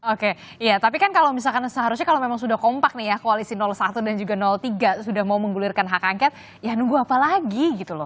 oke iya tapi kan kalau misalkan seharusnya kalau memang sudah kompak nih ya koalisi satu dan juga tiga sudah mau menggulirkan hak angket ya nunggu apa lagi gitu loh